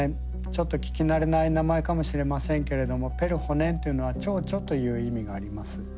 ちょっと聞き慣れない名前かもしれませんけれども「ペルホネン」というのは「蝶々」という意味があります。